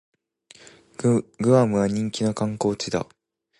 グアムは人気の観光地だ